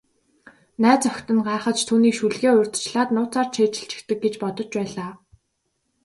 Найз охид нь гайхаж, түүнийг шүлгээ урьдчилаад нууцаар цээжилчихдэг гэж бодож байлаа.